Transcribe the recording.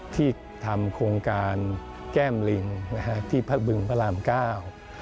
ที่ทำโครงการแก้มลิงนะฮะที่พระบึงพระรามเก้า